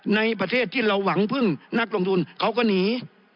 ในประเทศที่เราหวังพึ่งนักลงทุนเขาก็หนี